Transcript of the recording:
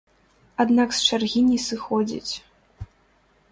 Аднак з чаргі не сыходзіць.